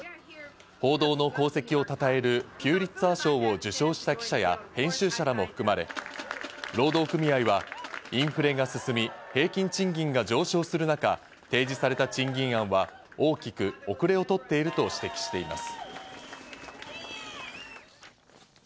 報道の功績をたたえるピューリッツァー賞を受賞した記者や編集者らも含まれ、労働組合はインフレが進み、平均賃金が上昇する中、提示された賃金案は大きく遅れをとっていると指摘しています。